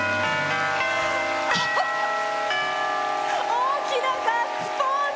大きなガッツポーズ！